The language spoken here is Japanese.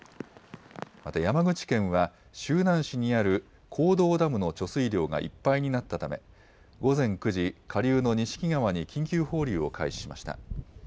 また山口県は、周南市にある向道ダムの貯水量がいっぱいになったため、午前９時、下流の錦川に緊急放流を開始しました。